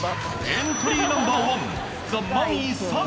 エントリーナンバー